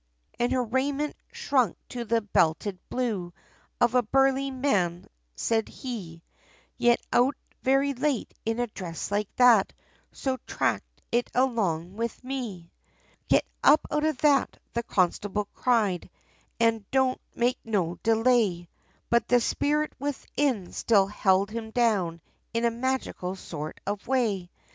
And her raiment shrunk to the belted blue, Of a burly man, said he, "Yer out very late, in a dress like that, So track it along with me." "Get up out of that," the constable cried, "And don't make no delay," But the spirit within, still held him down, In a magical sort of way.